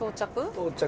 到着？